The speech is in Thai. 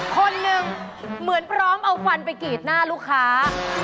คนหนึ่งเหมือนพร้อมเอาควันไปกรีดหน้าลูกค้า